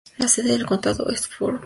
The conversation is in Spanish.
La sede de condado es Fort Payne.